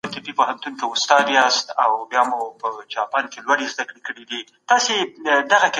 د زمانې تاړاکونو